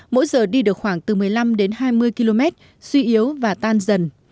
mỗi giờ đi được khoảng từ một mươi năm đến hai mươi km suy yếu và tan dần